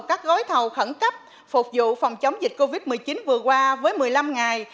các gói thầu khẩn cấp phục vụ phòng chống dịch covid một mươi chín vừa qua với một mươi năm ngày